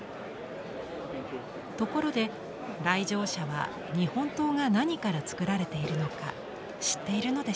ところで来場者は日本刀が何からつくられているのか知っているのでしょうか？